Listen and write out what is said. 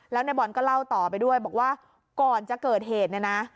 แล้วในบอลก็เล่าต่อไปด้วยบอกว่าก่อนจะเกิดเหตุเนี่ยนะ